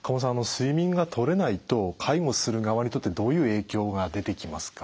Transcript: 睡眠がとれないと介護する側にとってどういう影響が出てきますか？